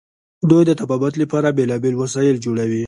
دوی د طبابت لپاره بیلابیل وسایل جوړوي.